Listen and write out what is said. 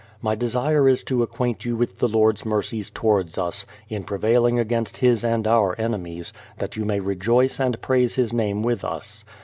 My desire is to acquaint you with the Lord's mercies towards us, in prevaihng against His and our enemies, that you may rejoice and praise His name with us.